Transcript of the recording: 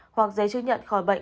hoặc giấy chứng nhận khỏi bệnh